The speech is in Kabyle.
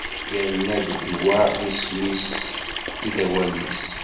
Yerna d wa i d isem-is i d awal-is.